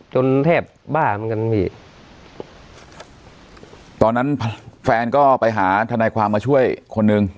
แทบบ้าเหมือนกันพี่ตอนนั้นแฟนก็ไปหาทนายความมาช่วยคนหนึ่ง